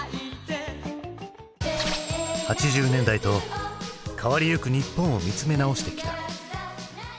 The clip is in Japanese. ８０年代と変わりゆく日本を見つめ直してきた。